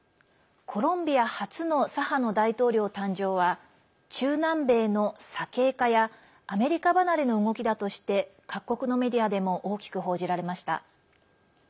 コロンビア初の左派の大統領誕生は中南米の左傾化やアメリカ離れの動きだとして各国のメディアでも大きく報じられました。